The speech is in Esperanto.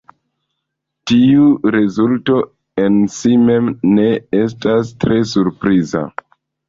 Tiu rezulto en si mem ne estas tre surpriza.